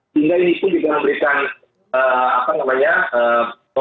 sehingga ini pun juga memberikan ee apa namanya ee